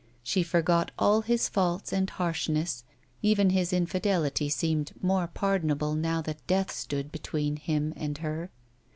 She forgot all his faults and harshness ; even his infidelity seemed more pardonable now that death stood between him and her.